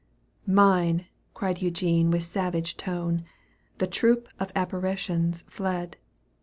Mine !" cried Eugene with savage tone. The troop of apparitions fled.